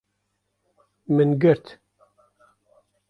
Min girt